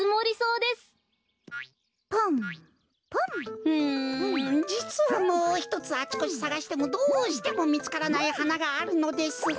うんじつはもうひとつあちこちさがしてもどうしてもみつからないはながあるのです。